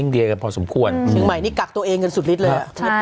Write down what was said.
นี่กลักตัวเองกันสุดลิดเลย